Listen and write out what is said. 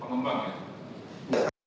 ya kembang ya